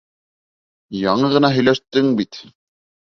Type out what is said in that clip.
Яңы ғына һөйләштең бит!